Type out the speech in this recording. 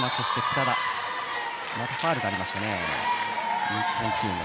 ファウルがありましたね。